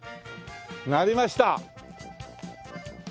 鳴りました。